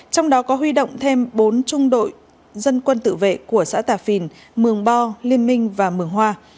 trong đó có huy động thêm bốn trung đội dân quân tự vệ của xã tà phìn mường bo liên minh và mường hoa